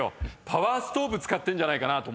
パワーストーブ使ってんじゃないかなと。